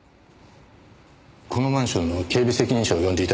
このマンションの警備責任者を呼んで頂けますか？